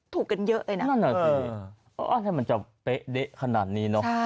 ถูกกันเยอะเลยนะนั่นน่ะสิถ้ามันจะเป๊ะเด๊ะขนาดนี้เนอะ